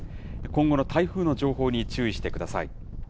今後の台風の情報に注意してください。